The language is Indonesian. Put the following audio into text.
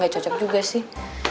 gak cocok juga sih